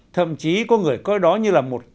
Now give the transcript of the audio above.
thậm chí có người coi đó như là một người thân thiện